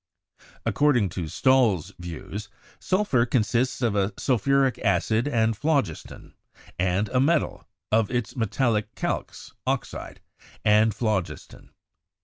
According to Stahl's views, sulphur consists of sul phuric acid and phlogiston; and a metal, of its metallic "calx" (oxide) and phlogiston.